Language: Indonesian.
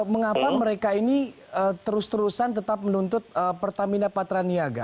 mengapa mereka ini terus terusan tetap menuntut pertamina patraniaga